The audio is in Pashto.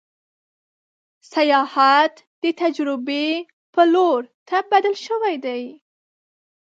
سیاحت د تجربې پلور ته بدل شوی دی.